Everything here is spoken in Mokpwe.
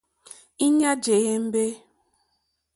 Íɲá jé ěmbé.